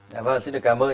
dạ vâng xin được cảm ơn